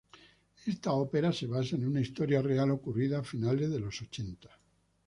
Esta ópera se basa en una historia real ocurrida a finales de los ochenta.